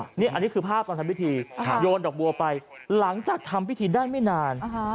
อันนี้คือภาพตอนทำพิธีโยนดอกบัวไปหลังจากทำพิธีได้ไม่นาน